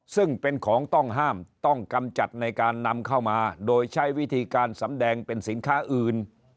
ซึ่งเป็นของต้องห้ามต้องกำจัดในการนำเข้ามาโดยใช้วิธีการสำแดงเป็นสินค้าอื่น